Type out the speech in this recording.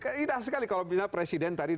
tidak sekali kalau bisa presiden tadi